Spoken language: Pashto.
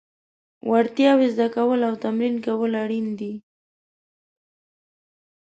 وړتیاوې زده کول او تمرین کول اړین دي.